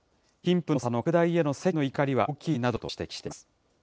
貧富の差の拡大への世間の怒りは大きいなどと指摘しています。